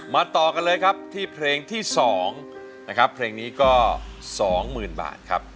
ต่อกันเลยครับที่เพลงที่๒นะครับเพลงนี้ก็๒๐๐๐บาทครับ